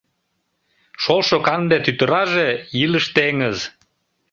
Шолшо канде тӱтыраже — илыш теҥыз.